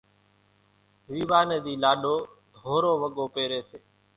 ويوا نيَ ۮِي لاڏو ڌورو وڳو پيريَ سي۔